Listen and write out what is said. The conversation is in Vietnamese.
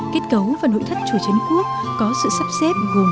kết cấu và nội thất chùa trấn quốc có sự sắp xếp gồm